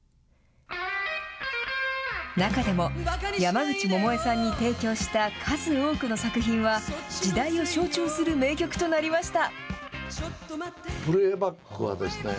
中でも山口百恵さんに提供した数多くの作品は時代を象徴する名曲となりました。